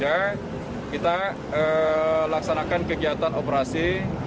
kita laksanakan kegiatan operasi